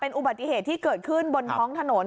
อุบัติเหตุที่เกิดขึ้นบนท้องถนน